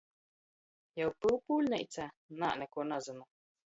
Jau Pyupūļneica? Nā, nikuo nazynu!